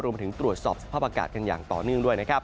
รวมถึงตรวจสอบสภาพอากาศกันอย่างต่อเนื่องด้วย